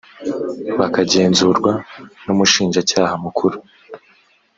bakagenzurwa n umushinjacyaha mukuru